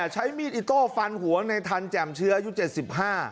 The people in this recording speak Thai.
ใช้มีดอิโต้ฟันหัวในทันแจ่มเชื้ออายุเจ็ดสิบห้า